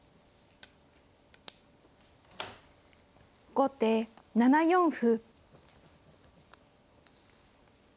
後手７四歩。